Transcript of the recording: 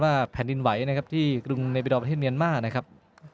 แผ่นดินไหวนะครับที่กรุงเนบิดอลประเทศเมียนมาร์นะครับ